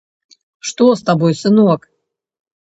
Што з табой, сынок?